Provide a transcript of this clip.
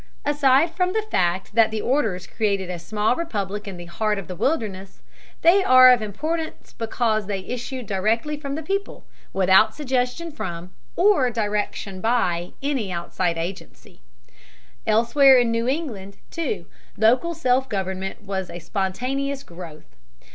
Aside from the fact that the Orders created a small republic in the heart of the wilderness, they are of importance because they issued directly from the people, without suggestion from, or direction by, any outside agency. Elsewhere in New England, too, local self government was a spontaneous growth.